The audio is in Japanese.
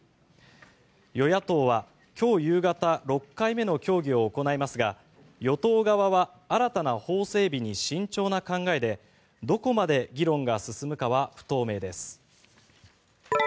与野党は今日夕方６回目の協議を行いますが与党側は新たな法整備に慎重な考えでどこまで議論が進むかは不透明です。